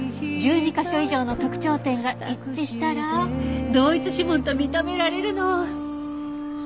１２カ所以上の特徴点が一致したら同一指紋と認められるの。